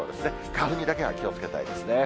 花粉にだけは気をつけたいですね。